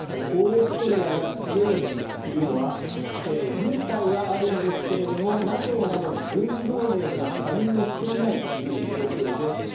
オーストリアやスウェーデンというのは軍隊はあるんですけれどもＮＡＴＯなどの軍事同盟には加入をしていないという状況です。